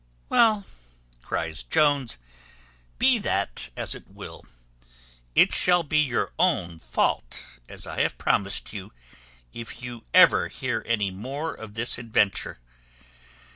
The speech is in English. "Well," cries Jones, "be that as it will, it shall be your own fault, as I have promised you, if you ever hear any more of this adventure.